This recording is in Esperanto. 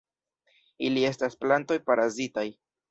Ili estas plantoj parazitaj.